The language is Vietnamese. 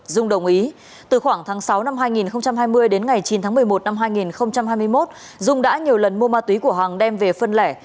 dung đồng ý từ khoảng tháng sáu năm hai nghìn hai mươi đến ngày chín tháng một mươi một năm hai nghìn hai mươi một dung đã nhiều lần mua ma túy của hoàng đem về phân lẻ